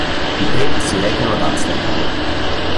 I tre si recano ad Amsterdam.